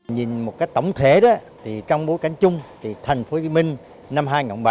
nhìn một tổng thể trong bối cảnh chung thành phố hồ chí minh năm hai nghìn bảy